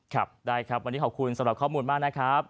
ครับได้ครับวันนี้ขอบคุณสำหรับข้อมูลมากนะครับ